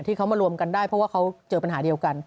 ที่เขามารวมกันได้เพราะว่าเขาเจอปัญหาเดียวกัน